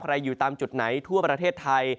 อยู่ตามจุดไหนทั่วประเทศไทย